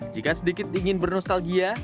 jika sedikit ingin bernostalgia